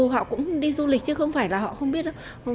họ cũng đi du lịch chứ không phải là họ không biết